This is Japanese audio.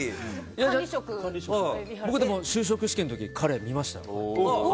僕、就職試験の時彼、見ましたよ。